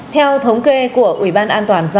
theo thống kê của ubnd